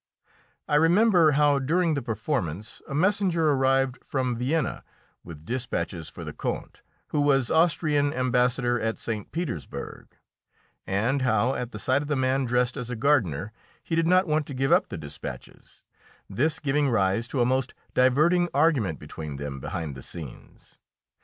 I remember how, during the performance, a messenger arrived from Vienna with despatches for the Count, who was Austrian Ambassador at St. Petersburg, and how, at the sight of the man dressed as a gardener, he did not want to give up the despatches, this giving rise to a most diverting argument between them behind the scenes.